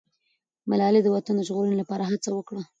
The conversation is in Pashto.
ملالۍ د وطن د ژغورنې لپاره هڅه وکړه.